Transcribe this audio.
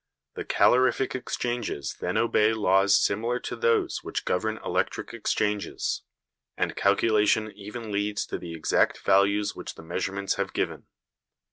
The calorific exchanges then obey laws similar to those which govern electric exchanges; and calculation even leads to the exact values which the measurements have given.